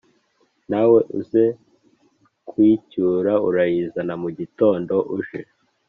nawe uze kuyicyura urayizana mugitondo uje